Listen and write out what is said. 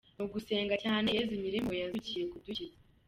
ni ugusenga cyane Yezu Nyirimpuhwe yazukiye kudukiza.